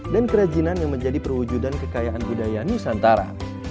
dan kerajinan yang menjadi perwujudan kekayaan budaya nusantara